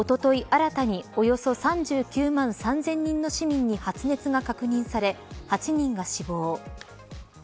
新たにおよそ３９万３０００人の市民に発熱が確認され、８人が死亡。